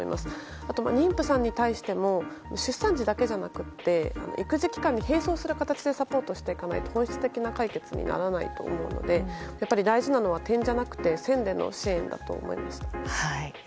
あと、妊婦さんに対しても出産時だけではなくて育児期間に並走する形でサポートしないと本質的な支援にならないと思うので大事なのは点じゃなくて線での支援だと思いました。